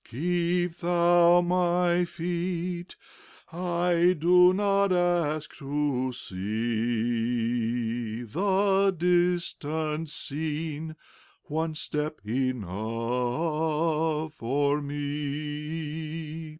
Keep Thou my feet; I do not ask to see The distant scene; one step enough for me.